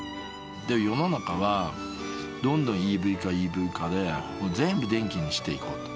世の中はどんどんＥＶ化で、ＥＶ化で、全部電気にしていこうと。